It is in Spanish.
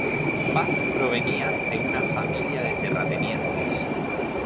Paz provenía de una familia de terratenientes.